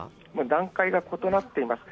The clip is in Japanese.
段階が異なっています。